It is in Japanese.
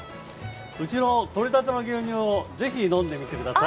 うちの取れたての牛乳をぜひ飲んでみてください。